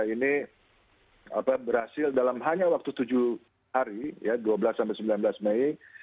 ini berhasil dalam hanya waktu tujuh hari ya dua belas sampai sembilan belas mei